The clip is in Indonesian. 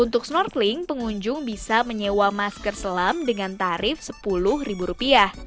untuk snorkeling pengunjung bisa menyewa masker selam dengan tarif rp sepuluh